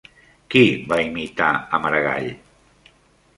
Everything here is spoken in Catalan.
Qui va imitar a Maragall?